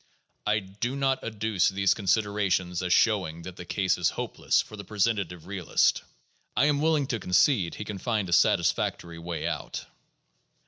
I do not adduce these considerations as showing that the case is hopeless for the presentative realist f I am willing to concede he can find a satis factory way out.